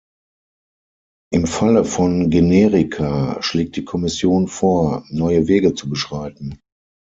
Im Falle von Generika schlägt die Kommission vor, neue Wege zu beschreiten.